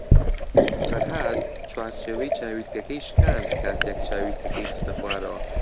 فەرھاد چوارچێوەی چاویلکەکەی شکاند کاتێک چاویلکەکەی خستە خوارەوە.